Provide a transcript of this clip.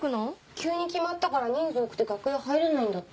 急に決まったから人数多くて楽屋入れないんだって。